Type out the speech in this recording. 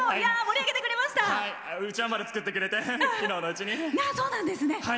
うちわまで作ってくれて昨日のうちに。